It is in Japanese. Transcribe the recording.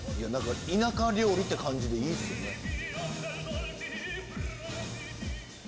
田舎料理って感じでいいっすね。